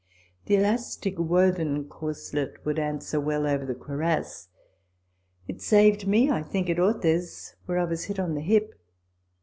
The elastic woven corslet would answer well over the cuirass. It saved me, I think, at Orthez ;* where I was hit on the hip.